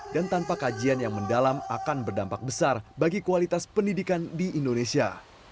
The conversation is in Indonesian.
dan tanpa kajian yang mendalam akan berdampak besar bagi kualitas pendidikan di indonesia